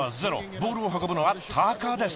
ボールを運ぶのはタカです。